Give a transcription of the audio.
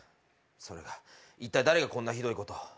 それが一体誰がこんなひどいことを。